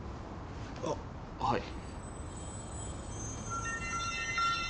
あっはい。